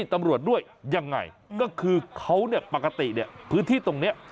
ตำรวจด้วยยังไงก็คือเขาเนี่ยปกติเนี่ยพื้นที่ตรงนี้